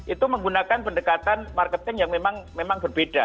itu menggunakan pendekatan marketing yang memang berbeda